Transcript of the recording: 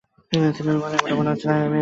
কিন্তু তোমারও এমনটা মনে হচ্ছে না, মিমিকো আরে!